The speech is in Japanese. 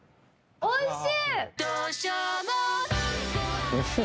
おいしい。